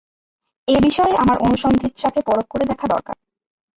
এ বিষয়ে আমার অনুসন্ধিৎসাকে পরখ করে দেখা দরকার।